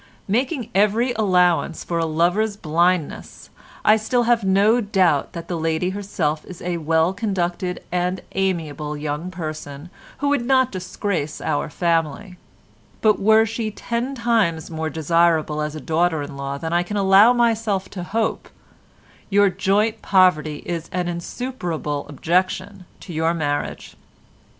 Making every allowance for a lover's blindness, I still have no doubt that the lady herself is a well conducted and amiable young person, who would not disgrace our family, but were she ten times more desirable as a daughter in law than I can allow myself to hope, your joint poverty is an insuperable objection to your marriage.